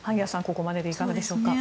ここまででいかがでしょうか。